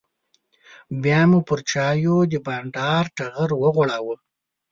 بیا مو پر چایو د بانډار ټغر وغوړاوه.